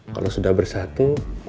kalau sudah bersatu